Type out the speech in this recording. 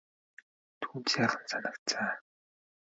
Түүнд сайхан санагдсан.